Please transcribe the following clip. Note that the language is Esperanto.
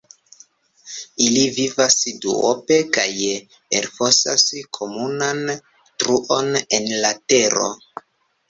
Ili vivas duope kaj elfosas komunan truon en la tero.